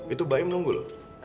itu bayi menunggu lo